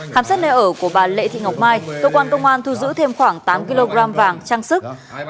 khám xét nơi ở của bà lệ thị ngọc mai cơ quan công an thu giữ thêm khoảng tám kg vàng trang sức